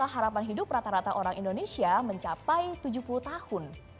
harapan hidup rata rata orang indonesia mencapai tujuh puluh tahun